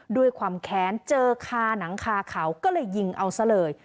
ด้วยความแค้นเจอคาหนังคาเขาก็เลยยิงเอาซะเลย